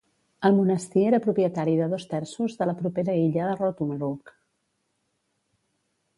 El monestir era propietari de dos terços de la propera illa de Rottumeroog.